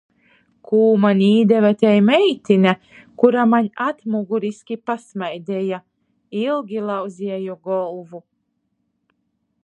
Kū maņ īdeve tei meitine, kura maņ atmuguriski pasmaideja. Ilgi lauzeju golvu.